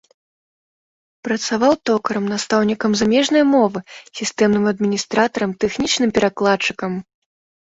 Працаваў токарам, настаўнікам замежнай мовы, сістэмным адміністратарам, тэхнічным перакладчыкам.